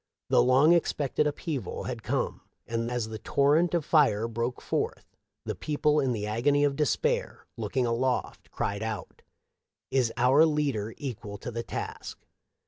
The long expected upheaval had coine, and as the torrent of fire broke forth the people in the agony of despair looking aloft cried out, " Is our leader equal to the task?"